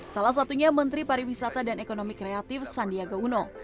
salah satunya menteri pariwisata dan ekonomi kreatif sandiaga uno